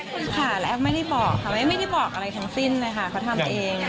ค่ะแล้วแอฟไม่ได้บอกค่ะไม่ได้บอกอะไรทั้งสิ้นเลยค่ะเขาทำเอง